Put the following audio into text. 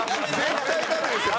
絶対ダメですよ